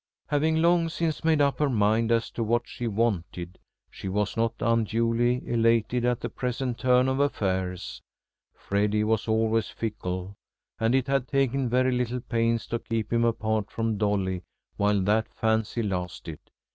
Having long since made up her mind as to what she wanted, she was not unduly elated at the present turn of affairs. Freddy was always fickle, and it had taken very little pains to keep him apart from Dolly while that fancy lasted.